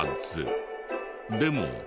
でも。